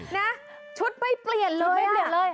นะชุดไม่เปลี่ยนเลย